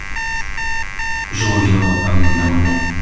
Je reviens à mon amendement.